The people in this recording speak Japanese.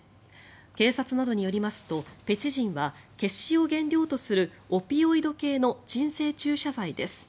警察などによりますとペチジンはケシを原料とするオピオイド系の鎮静注射剤です。